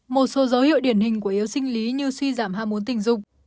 một số dấu hiệu điển hình của yếu sinh lý như suy giảm ham muốn tình dục